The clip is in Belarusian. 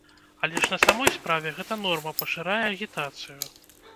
Але ж на самой справе гэта норма пашырае агітацыю!